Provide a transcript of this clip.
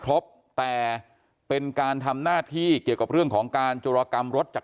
แต่เป็นการทำหน้าที่เกี่ยวกับเรื่องของการจุรกรรมรถจาก